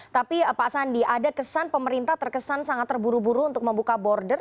tapi pak sandi ada kesan pemerintah terkesan sangat terburu buru untuk membuka border